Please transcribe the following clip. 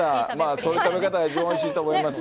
そういう食べ方が一番おいしいと思います。